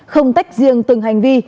không tách riêng từng hành vi